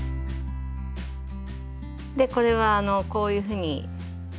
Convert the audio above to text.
これはこういうふうに。